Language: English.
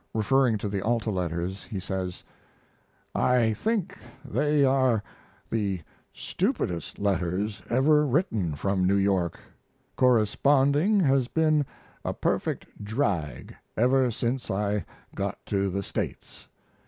Referring to the Alta letters he says: I think they are the stupidest letters ever written from New York. Corresponding has been a perfect drag ever since I got to the States.